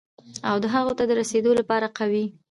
او د هغو ته د رسېدو لپاره قوي،